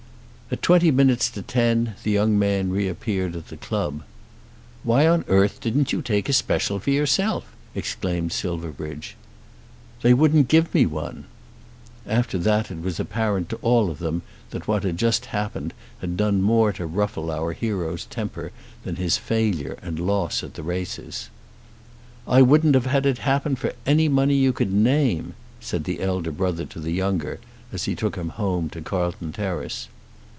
At twenty minutes to ten the young man reappeared at the club. "Why on earth didn't you take a special for yourself?" exclaimed Silverbridge. "They wouldn't give me one." After that it was apparent to all of them that what had just happened had done more to ruffle our hero's temper than his failure and loss at the races. "I wouldn't have had it happen for any money you could name," said the elder brother to the younger, as he took him home to Carlton Terrace.